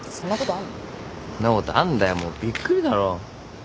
んなことあんだよもうびっくりだろ。